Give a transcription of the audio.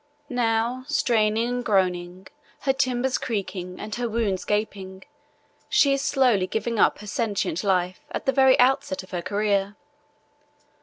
Now, straining and groaning, her timbers cracking and her wounds gaping, she is slowly giving up her sentient life at the very outset of her career.